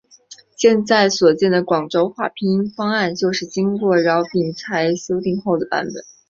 现在所见的广州话拼音方案就是经饶秉才修订后的版本。